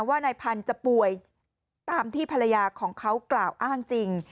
ว่านายพันธุ์จะป่วยตามที่ภรรยาของเขากล่าวอ้างจริง